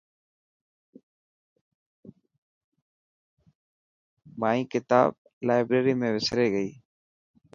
مائي ڪتاب لائبريري ۾ وسري گئي.